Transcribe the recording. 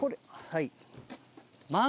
はい。